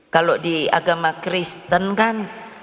kalau di agama kristen kan